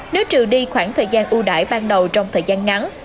nếu trừ đi khoảng thời gian ưu đải ban đầu trong thời gian ngắn